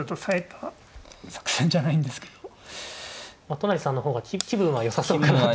都成さんの方が気分は良さそうかなと。